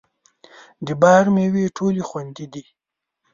د باغ مېوې ټولې خوږې دي.